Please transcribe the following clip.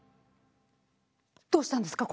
どうしたんですか？